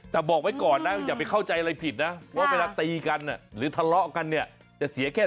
แต่บอกไว้ก่อนนะอย่าไปเข้าใจอะไรผิดนะว่าเวลาตีกันหรือทะเลาะกันเนี่ยจะเสียแค่